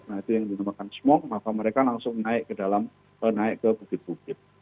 nah itu yang dinamakan smoke maka mereka langsung naik ke dalam naik ke bukit bukit